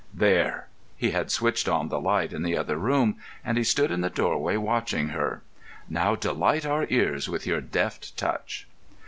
"There!" He had switched on the light in the other room, and he stood in the doorway watching her. "Now delight our ears with your deft touch."